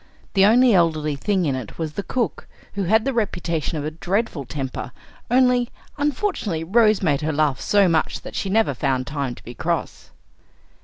The only elderly thing in it was the cook, who had the reputation of a dreadful temper; only, unfortunately, Rose made her laugh so much that she never found time to be cross.